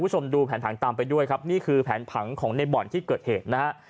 คุณผู้ชมดูแผนผังตามไปด้วยครับนี่คือแผนผังของในบ่อนที่เกิดเหตุนะฮะ